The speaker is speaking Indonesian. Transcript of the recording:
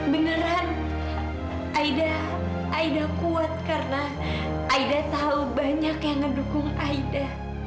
beneran aida kuat karena aida tahu banyak yang ngedukung aida